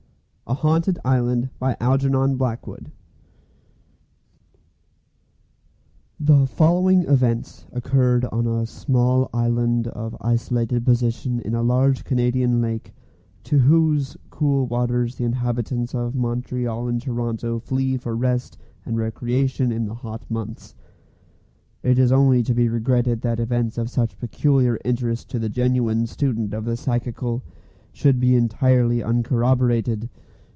A HAUNTED ISLAND The following events occurred on a small island of isolated position in a large Canadian lake, to whose cool waters the inhabitants of Montreal and Toronto flee for rest and recreation in the hot months. It is only to be regretted that events of such peculiar interest to the genuine student of the psychical should be entirely uncorroborated.